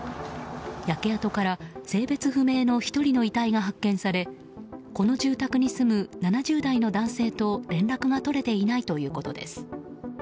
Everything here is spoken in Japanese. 焼け跡から性別不明の１人の遺体が発見されこの住宅に住む７０代の男性と連絡が取れていないということです。